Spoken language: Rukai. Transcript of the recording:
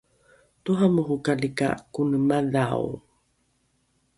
toramorokali ka kone madho